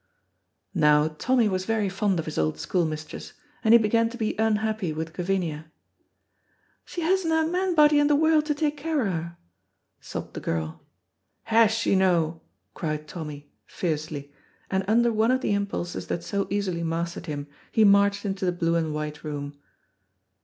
Now, Tommy was very fond of his old school mistress, and he began to be unhappy with Gavinia. "She hasna a man body in the world to take care o' her," sobbed the girl. "Has she no?" cried Tommy, fiercely, and under one of the impulses that so easily mastered him he marched into the blue and white room.